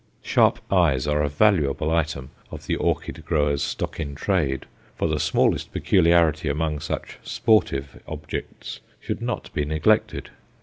Sharp eyes are a valuable item of the orchid grower's stock in trade, for the smallest peculiarity among such "sportive" objects should not be neglected.